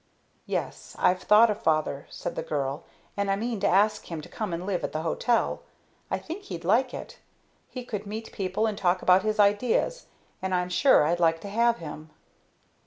"Yes, I've thought of father," said the girl, "and I mean to ask him to come and live at the hotel. I think he'd like it. He could meet people and talk about his ideas, and I'm sure I'd like to have him."